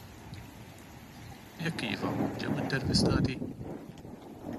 Jekk iva, ġew intervistati?